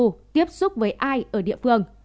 đối tượng không giao du tiếp xúc với ai ở địa phương